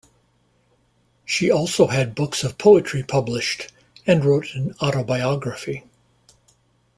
She also had books of poetry published, and wrote an autobiography.